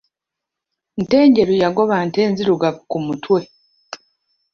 Ntenjeru yagoba ntenzirugavu ku mutwe.